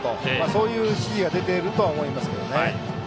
そういう指示が出ているとは思います。